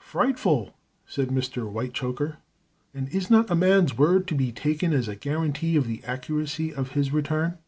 "Frightful!" said Mr. Whitechoker. "And is not a man's word to be taken as a guarantee of the accuracy of his return?"